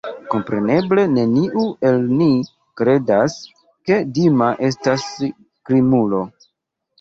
Kompreneble, neniu el ni kredas, ke Dima estas krimulo.